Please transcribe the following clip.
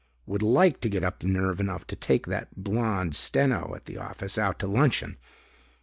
Would like to get up nerve enough to take that blonde steno at the office out to luncheon...."